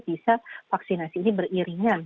bisa vaksinasi ini beriringan